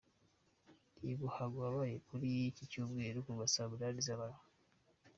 Ni umuhango wabaye kuri iki Cyumweru kuva Saa Munani z'amanywa.